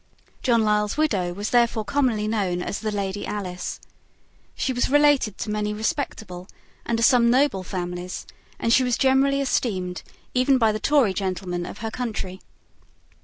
John Lisle's widow was therefore commonly known as the Lady Alice. She was related to many respectable, and to some noble, families; and she was generally esteemed even by the Tory gentlemen of her country.